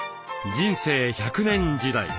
人生１００年時代。